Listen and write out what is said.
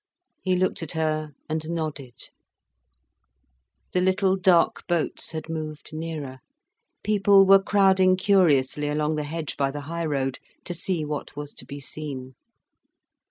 He looked at her and nodded. The little dark boats had moved nearer, people were crowding curiously along the hedge by the high road, to see what was to be seen.